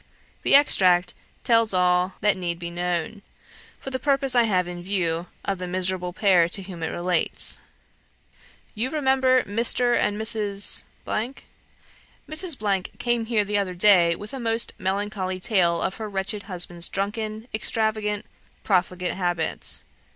The extract tells all that need be known, for the purpose I have in view, of the miserable pair to whom it relates. "You remember Mr. and Mrs. ? Mrs. came here the other day, with a most melancholy tale of her wretched husband's drunken, extravagant, profligate habits.